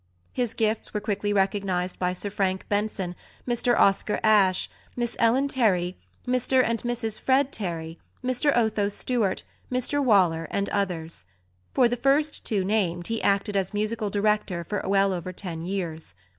His gifts were quickly recognised by Sir Frank Benson, Mr Oscar Asche, Miss Ellen Terry, Mr and Mrs Fred Terry, Mr Otho Stuart, Mr Waller, and others; for the two first named he acted as musical director for well over ten years.